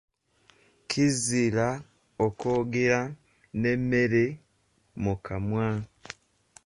Kizira okwogera n'emmere mu kamwa.